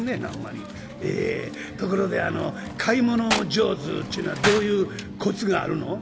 「ところで買い物上手っちゅうのはどういうコツがあるの？」。